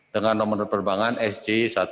dengan nomor penerbangan sj satu ratus delapan puluh dua